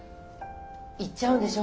行っちゃうんでしょ？